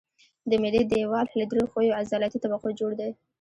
د معدې دېوال له درې ښویو عضلاتي طبقو جوړ دی.